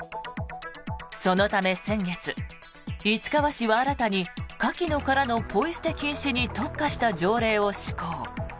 そのため先月、市川市は新たにカキの殻のポイ捨て禁止に特化した条例を施行。